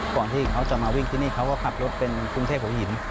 ก่อนที่เขาจะมาวิ่งที่นี่เขาก็ขับรถเป็นกรุงเทพหัวหิน